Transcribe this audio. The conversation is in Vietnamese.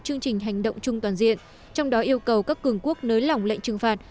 chương trình hành động chung toàn diện trong đó yêu cầu các cường quốc nới lỏng lệnh trừng phạt